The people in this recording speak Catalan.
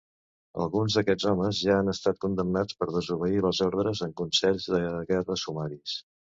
Alguns d"aquests homes ja han estat condemnats per desobeir les ordres en consells de guerra sumaris.